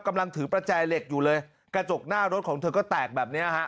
กำลังถือประแจเหล็กอยู่เลยกระจกหน้ารถของเธอก็แตกแบบเนี้ยฮะ